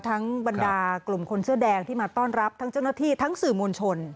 บรรดากลุ่มคนเสื้อแดงที่มาต้อนรับทั้งเจ้าหน้าที่ทั้งสื่อมวลชน